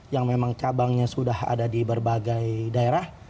yang memang cabangnya sudah ada di berbagai daerah